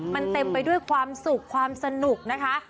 มันเต็มไปด้วยความสุขความสนุกนะคะ